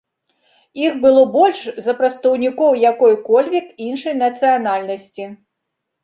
Іх было больш за прадстаўнікоў якой-кольвек іншай нацыянальнасці.